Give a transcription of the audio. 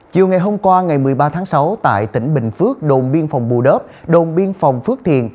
chiều ngày hôm qua ngày một mươi ba tháng sáu tại tỉnh bình phước đồn biên phòng bù đớp đồn biên phòng phước thiện